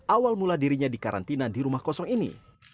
awal mula dirinya di karantina di rumah kosong ini